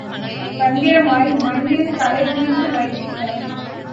தந்திரமாய் மண்ணில் தலைகுனிந்து வைத்திட்ட